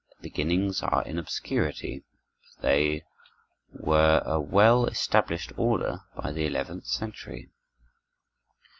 Their beginnings are in obscurity, but they were a well established order by the eleventh century.